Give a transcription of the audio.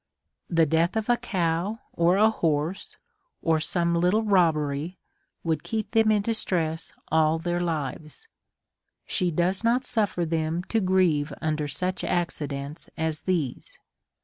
The death of a cow, or a horse, or some little robbery, would keep them in distress all their lives. She does not suifer them to grieve under such accidents as ; these.